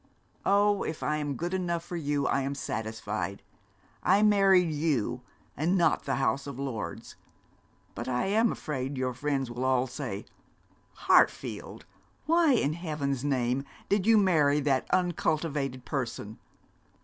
'Oh, if I am good enough for you, I am satisfied. I married you, and not the House of Lords. But I am afraid your friends will all say, "Hartfield, why in heaven's name did you marry that uncultivated person?"